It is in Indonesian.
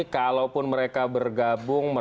kalaupun mereka bergabung